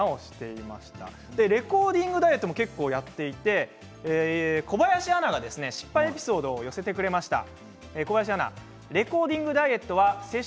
レコーディングダイエットも結構やっていて小林アナが失敗エピソードを寄せてくれました。